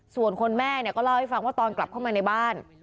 ส่วนคนแม่เนี่ยก็เล่าให้ฟังว่าตอนกลับเข้ามาในบ้าน